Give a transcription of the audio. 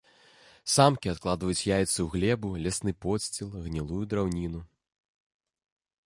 Самкі адкладваюць яйцы ў глебу, лясны подсціл, гнілую драўніну.